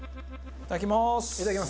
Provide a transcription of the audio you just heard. いただきます。